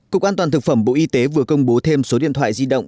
cục an toàn thực phẩm bộ y tế vừa công bố thêm số điện thoại di động